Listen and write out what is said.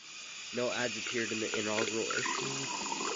No ads appeared in the inaugural issue.